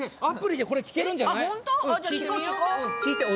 アプリでこれ聴けるんじゃない？